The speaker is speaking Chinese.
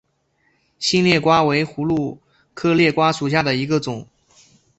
新裂瓜为葫芦科裂瓜属下的一个种。